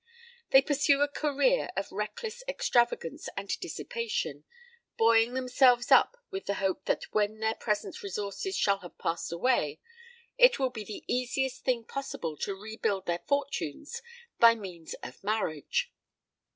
They pursue a career of reckless extravagance and dissipation, buoying themselves up with the hope that when their present resources shall have passed away, it will be the easiest thing possible to rebuild their fortunes by means of marriage.